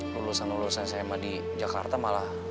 lulusan lulusan saya mah di jakarta malah